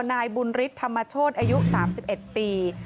นายบุญฤทธรรมชนอายุ๓๑ปี